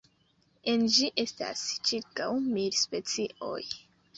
En ĝi estas ĉirkaŭ mil specioj.